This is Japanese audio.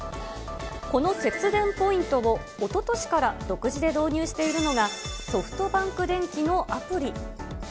この節電ポイントをおととしから独自で導入しているのが、ソフトバンクでんきのアプリ。